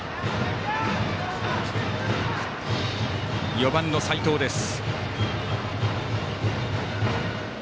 ４番の齋藤です。